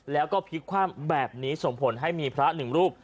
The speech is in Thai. แล้วก็พลิกคว่ำแบบนี้ส่งผลให้มีพระหนึ่งรูป